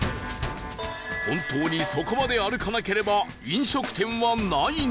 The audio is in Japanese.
本当にそこまで歩かなければ飲食店はないのか？